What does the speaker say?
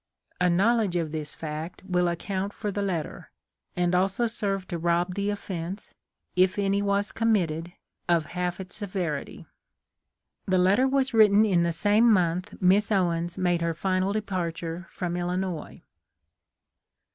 A knowledge of this fact will account for the letter, and also serve to rob the offence — if any was committed — of half its severity. The letter was written in the same month Miss Owens made her final departure from Illinois.